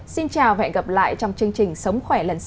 xin chào và hẹn gặp lại trong chương trình sống khỏe lần sau